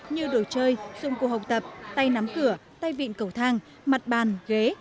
như đồ chơi dụng cụ học tập tay nắm cửa tay vịn cầu thang mặt bàn ghế